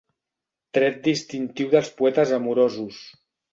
Tret distintiu dels poetes amorosos.